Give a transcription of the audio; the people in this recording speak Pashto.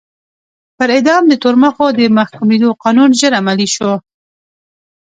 پر اعدام د تورمخو د محکومېدو قانون ژر عملي شو.